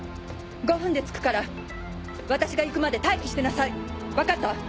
５分で着くから私が行くまで待機してなさい分かった？